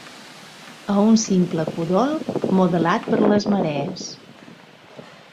A un simple cudol modelat per les marees.